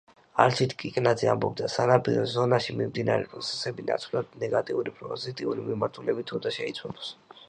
არჩილ კიკნაძე ამბობდა: სანაპირო ზონაში მიმდინარე პროცესები ნაცვლად ნეგატიური, პოზიტიური მიმართულებით უნდა შეიცვალოს.